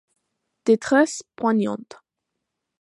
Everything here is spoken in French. Détresse poignante.